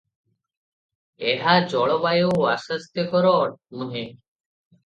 ଏଠା ଜଳବାୟୁ ଅସ୍ୱାସ୍ଥ୍ୟକର ନୁହେ ।